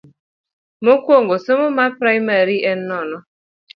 Mokuongo somo mar primari en nono.